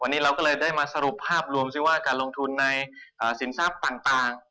วันนี้เราก็เลยได้มาสรุปภาพรวมซิว่าการลงทุนในสินทรัพย์ต่าง